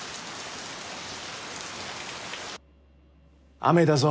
雨だぞ。